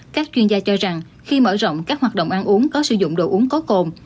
các chuyên gia cho rằng khi mở rộng các hoạt động ăn uống có sử dụng đồ uống có cồn